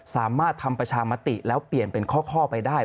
สามารถทำประชามติแล้วเปลี่ยนเป็นข้อไปได้